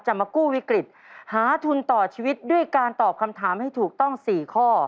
มากู้วิกฤตหาทุนต่อชีวิตด้วยการตอบคำถามให้ถูกต้อง๔ข้อ